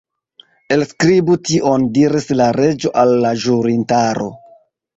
"Elskribu tion," diris la Reĝo al la ĵurintaro.